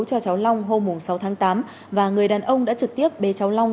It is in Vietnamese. cho cháu long hôm sáu tháng tám và người đàn ông đã trực tiếp bế cháu long